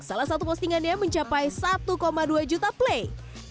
salah satu postingannya mencapai satu dua juta play